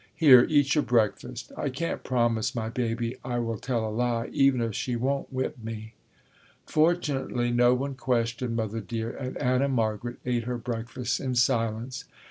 "Here, eat your breakfast, I can't promise my baby I will tell a lie, even if she won't whip me." Fortunately no one questioned Mother Dear and Anna Margaret ate her breakfast in silence.